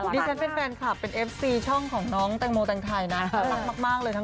ดีแท่เป็นแฟนคลับเป็นแอฟซีช่องน้องปแตงโมตังค์แทยนะ